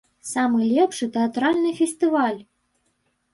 Самы лепшы тэатральны фестываль!